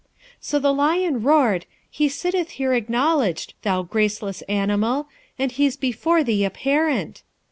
'So the lion roared, "He sitteth here acknowledged, thou graceless animal! and he's before thee apparent."